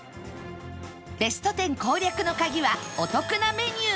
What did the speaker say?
ベスト１０攻略のカギはお得なメニュー